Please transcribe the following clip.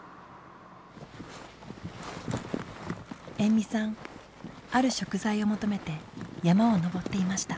延味さんある食材を求めて山を登っていました。